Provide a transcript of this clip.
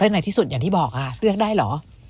ในที่สุดอย่างที่บอกค่ะเลือกได้เหรอ